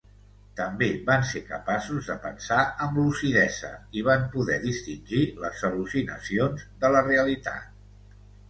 També van ser capaços de pensar amb lucidesa i van poder distingir les al·lucinacions de la realitat.